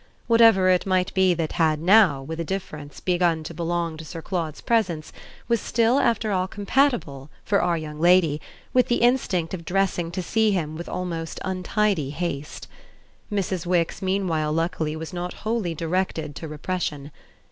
Whatever it might be that had now, with a difference, begun to belong to Sir Claude's presence was still after all compatible, for our young lady, with the instinct of dressing to see him with almost untidy haste. Mrs. Wix meanwhile luckily was not wholly directed to repression.